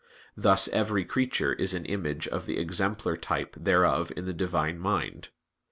Thus every creature is an image of the exemplar type thereof in the Divine mind.